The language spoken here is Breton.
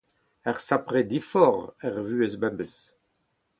Ur sapre diforc'h, er vuhez pemdez !